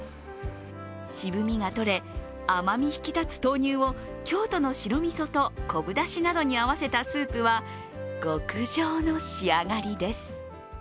渋みがとれ、甘み引き立つ豆乳を京都の白みそと昆布だしなどに合わせたスープは、極上の仕上がりです。